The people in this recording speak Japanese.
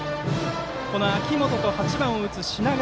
秋元と８番を打つ品川。